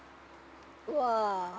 うわ。